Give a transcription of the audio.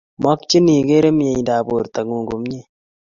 Makchin ikeree miendap borto ngung komye